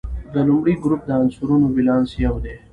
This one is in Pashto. د لومړي ګروپ د عنصرونو ولانس یو دی.